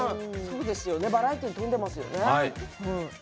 バラエティーに富んでますよね。